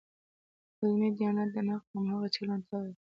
علمي دیانت د نقد همغه چلن ته وایي.